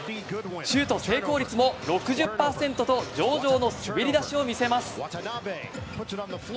シュート成功率も６０％と上々の滑り出しを見せます。